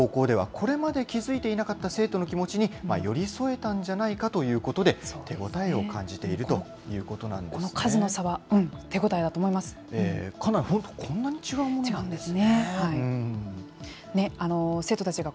高校では、これまで気付いていなかった生徒の気持ちに寄り添えたんじゃないかということで、手応えを感じているということなんでこの数の差は、うん、手応えかなり、本当、こんなに違う違うんですね。